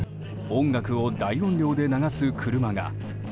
音楽を大音量で流す車が。